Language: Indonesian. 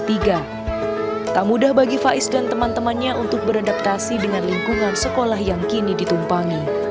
tak mudah bagi faiz dan teman temannya untuk beradaptasi dengan lingkungan sekolah yang kini ditumpangi